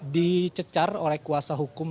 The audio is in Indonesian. dicecar oleh kuasa hukum